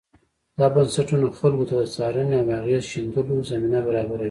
دا بنسټونه خلکو ته د څارنې او اغېز ښندلو زمینه برابروي.